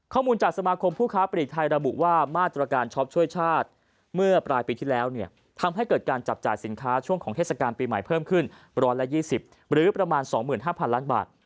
ข้อมูลจากสมาคมผู้ค้าปลีกไทยระบุว่ามาตรการช็อปช่วยชาติเมื่อปลายปีที่แล้วเนี่ยทำให้เกิดการจับจ่ายสินค้าช่วงของเทศกาลปีใหม่เพิ่มขึ้น๑๒๐หรือประมาณ๒๕๐๐ล้านบาท